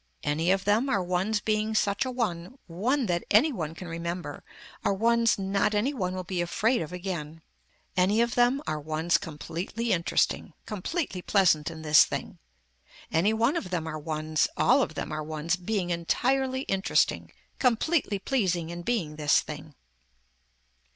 Any of them are ones being such a one, one that any one can remember, are ones not any one will be afraid of again. Any of them are ones completely interesting, completely pleasant in this thing. Any one of them are ones, all of them are ones being entirely interesting, completely pleasing in being this thing.